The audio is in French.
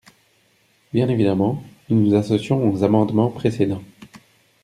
Bien évidemment, nous nous associons aux amendements précédents.